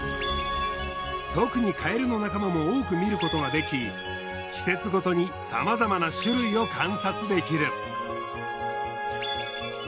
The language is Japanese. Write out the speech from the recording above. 特にカエルの仲間も多く見ることができ季節ごとにさまざまな種類を観察できる。